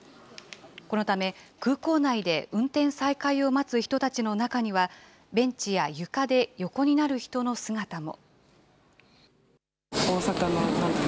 このため、空港内で運転再開を待つ人たちの中には、ベンチや床で横になる人の姿も。